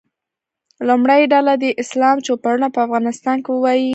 لومړۍ ډله دې د اسلام چوپړونه په افغانستان کې ووایي.